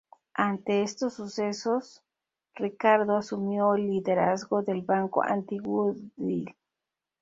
Ante estos sucesos, Ricardo asumió el liderazgo del bando anti-Woodville.